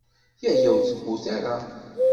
Yaya ur temmut ara.